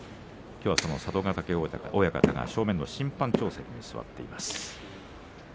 きょうはその佐渡ヶ嶽親方が正面の審判長席に座っています。